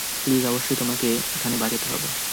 Please অবশ্যই তোমাকে এখানে বাজাতে হবে।